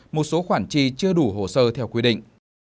một số khoản chi chưa đủ hồ sơ theo quy định